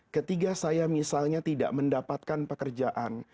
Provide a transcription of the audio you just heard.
ketika saya misalnya tidak mendapatkan pekerjaan